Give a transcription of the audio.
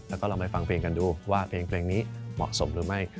แล้วก็ลองไปฟังเพลงกันดูว่าเพลงนี้เหมาะสมหรือไม่